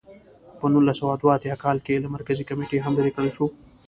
په نولس سوه دوه اتیا کال کې له مرکزي کمېټې هم لرې کړل شو.